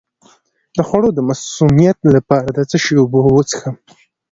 د خوړو د مسمومیت لپاره د څه شي اوبه وڅښم؟